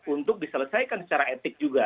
untuk diselesaikan secara etik juga